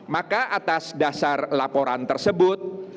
maka atas dasar laporan tersebut